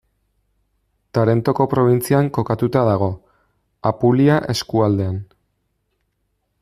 Tarentoko probintzian kokatuta dago, Apulia eskualdean.